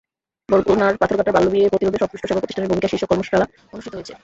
বরগুনার পাথরঘাটায় বাল্যবিয়ে প্রতিরোধে সংশ্লিষ্ট সেবা প্রতিষ্ঠানের ভূমিকা শীর্ষক কর্মশালা অনুষ্ঠিত হয়েছে।